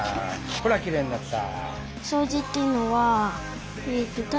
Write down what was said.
ほらきれいになった。